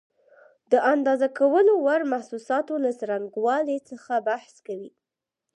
د اندازه کولو وړ محسوساتو له څرنګوالي څخه بحث کوي.